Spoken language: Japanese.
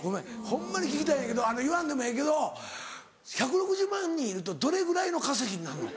ホンマに聞きたいんねんけど言わんでもええけど１６０万人いるとどれぐらいの稼ぎになるの？